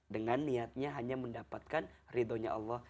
dengan niatnya hanya mendapatkan ridhonya allah